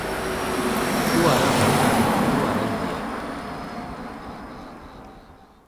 Kəwara vatak ,kəwara di ya ?